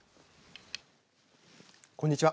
こんにちは。